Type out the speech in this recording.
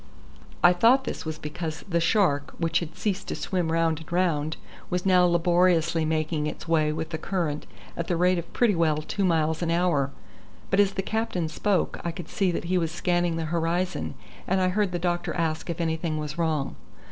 I thought this was because the shark, which had ceased to swim round and round, was now laboriously making its way with the current at the rate of pretty well two miles an hour; but as the captain spoke I could see that he was scanning the horizon, and I heard the doctor ask if anything was wrong.